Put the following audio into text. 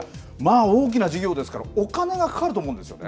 大きな事業ですから、お金がかかると思うんですよね。